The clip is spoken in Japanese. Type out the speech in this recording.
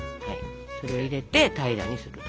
それ入れて平らにすると。